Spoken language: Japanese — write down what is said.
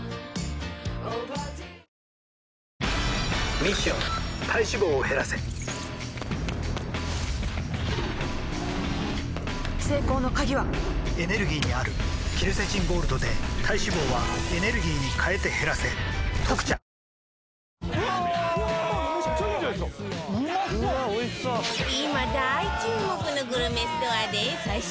ミッション体脂肪を減らせ成功の鍵はエネルギーにあるケルセチンゴールドで体脂肪はエネルギーに変えて減らせ「特茶」買ってきました。